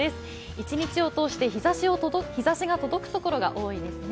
一日を通して日ざしが届くところが多いですね。